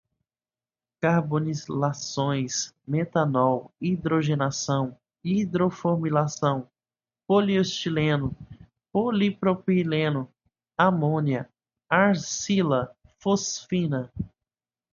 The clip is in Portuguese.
carbonilações, metanol, hidrogenação, hidroformilação, polietileno, polipropileno, amônia, arsina, fosfina